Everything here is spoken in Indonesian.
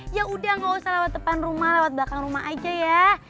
ya udah gak usah lewat depan rumah lewat belakang rumah aja ya